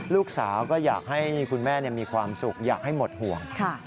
ลูกสาวก็อยากให้คุณแม่มีความสุขอยากให้หมดห่วง